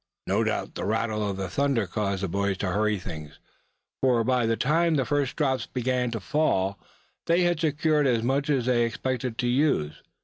No doubt the rattle of the thunder caused the boys to hurry things; for by the time the first drops began to fall they had secured as much as they expected to use.